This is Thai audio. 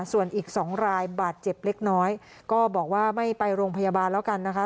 ส่วนอีก๒รายบาดเจ็บเล็กน้อยก็บอกว่าไม่ไปโรงพยาบาลแล้วกันนะคะ